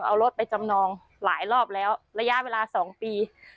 เอารถไปจำนองหลายรอบแล้วระยะเวลา๒ปี